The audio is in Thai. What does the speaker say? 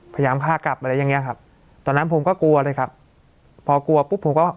พยายามฆ่ากลับอะไรอย่างเนี้ยครับตอนนั้นผมก็กลัวปุ๊บพบกรุง